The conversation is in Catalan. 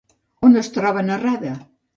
On es troba narrada?